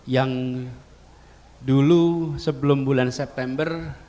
yang dulu sebelum bulan september